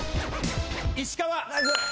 石川！